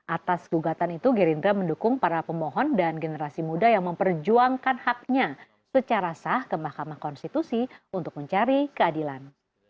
atas gugatan itu gerindra mendukung para pemohon dan generasi muda yang memperjuangkan haknya secara sah ke mahkamah konstitusi untuk mencari keadilan